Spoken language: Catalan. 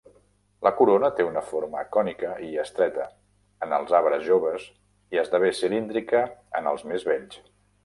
La corona té una forma cònica i estreta en els arbres joves i esdevé cilíndrica en els més vells.